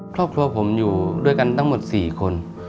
ครอบครัวผมอยู่ด้วยกันทั้งหมด๔คน